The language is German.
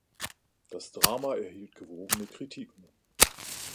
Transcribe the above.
Das Drama erhielt gewogene Kritiken.